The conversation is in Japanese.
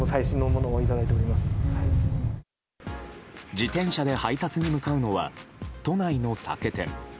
自転車で配達に向かうのは都内の酒店。